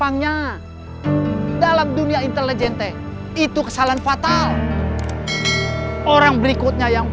ucuy akan mendapatkan semua harta warisannya maeros